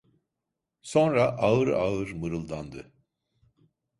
Sonra ağır ağır mırıldandı: